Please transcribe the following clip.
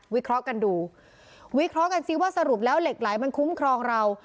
เคราะห์กันดูวิเคราะห์กันซิว่าสรุปแล้วเหล็กไหลมันคุ้มครองเรา